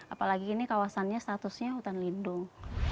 apalagi ini kawasannya statusnya hutan lindung